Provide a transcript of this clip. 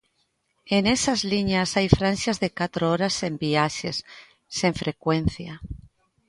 E nesas liñas hai franxas de catro horas sen viaxes, sen frecuencia.